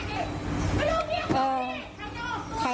ที่พาผู้มานิดนิดนาทีขอบริเวณความปลอดภัย